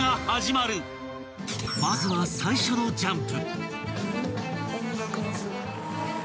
［まずは最初のジャンプ］